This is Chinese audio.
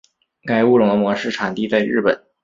该物种的模式产地在日本。